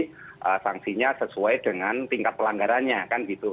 sanksinya sesuai dengan tingkat pelanggarannya kan gitu